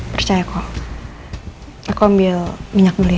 percaya kok aku ambil minyak dulu ya